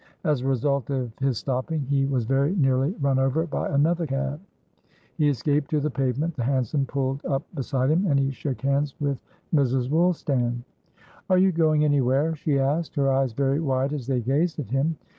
As a result of his stopping, he was very nearly run over by another cab; he escaped to the pavement; the hansom pulled up beside him, and he shook hands with Mrs. Woolstan. "Are you going anywhere?" she asked, her eyes very wide as they gazed at him.